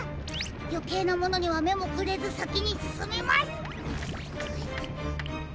よけいなものにはめもくれずさきにすすみます！